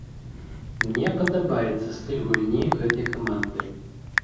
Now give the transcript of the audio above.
Мне падабаецца стыль гульні гэтай каманды.